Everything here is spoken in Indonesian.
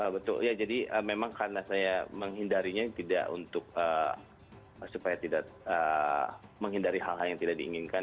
betul ya jadi memang karena saya menghindarinya tidak untuk supaya tidak menghindari hal hal yang tidak diinginkan